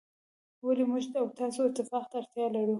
ولي موږ او تاسو اتفاق ته اړتیا لرو.